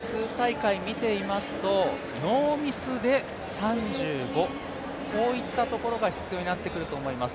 やはりここ数大会見ていますとノーミスで３５、こういったところが必要になってくると思います。